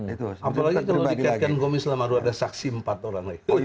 apalagi kalau di kkm selama dua tahun ada saksi empat orang lagi